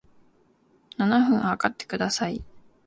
七分測ってください